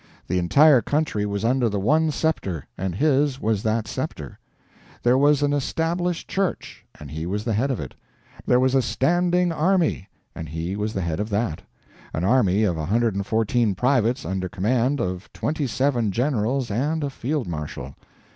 The entire country was under the one scepter, and his was that scepter. There was an Established Church, and he was the head of it. There was a Standing Army, and he was the head of that; an Army of 114 privates under command of 27 Generals and a Field Marshal.